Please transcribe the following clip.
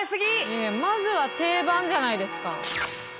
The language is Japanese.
いやまずは定番じゃないですか。